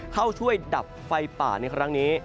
เข้าช่วยดับไฟป่าในครั้งนี้